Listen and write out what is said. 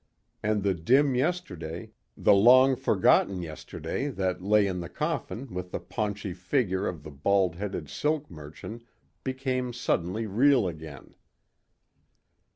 And the dim yesterday, the long forgotten yesterday that lay in the coffin with the paunchy figure of the bald headed silk merchant became suddenly real again.